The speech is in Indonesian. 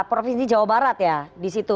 provinsi jawa barat ya di situ